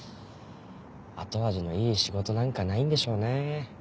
後味のいい仕事なんかないんでしょうね。